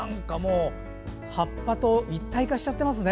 葉っぱと一体化しちゃってますね。